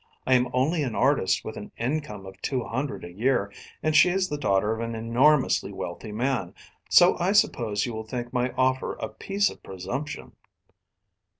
"I am only an artist with an income of two hundred a year, and she is the daughter of an enormously wealthy man, so I suppose you will think my offer a piece of presumption."